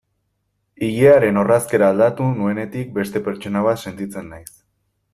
Ilearen orrazkera aldatu nuenetik beste pertsona bat sentitzen naiz.